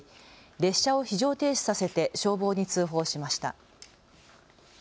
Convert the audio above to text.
列車を非常停止させて消防に通報しました。